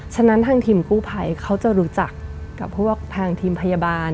ฉะนั้นทางทีมกู้ภัยเขาจะรู้จักกับพวกทางทีมพยาบาล